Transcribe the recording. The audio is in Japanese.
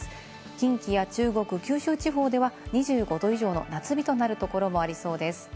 近畿や中国、九州地方では２５度以上の夏日となるところもありそうです。